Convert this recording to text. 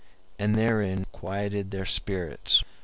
16), and therein quieted their spirits.